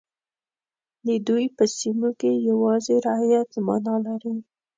د دوی په سیمو کې یوازې رعیت معنا لري.